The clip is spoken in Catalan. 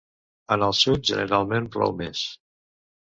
En el sud generalment plou més.